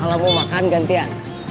kalau mau makan gantian